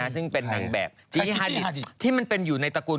ซึ่งเป็นนางแบบที่มันเป็นอยู่ในตระกูล